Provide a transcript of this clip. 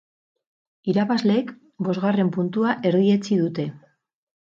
Irabazleek bosgarren puntua erdietsi dute.